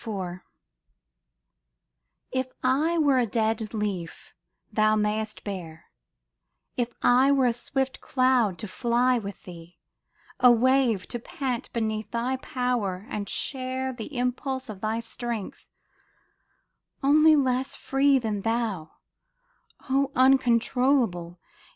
IV If I were a dead leaf thou mightest bear ; If I were a swift cloud to fly with thee ; A wave to pant beneath thy power, and share The impulse of thy strength, only less free Than thou, O uncontrollable